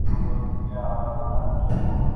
ټیلېسکوپونه د کمې روښانتیا اجرام کشفوي.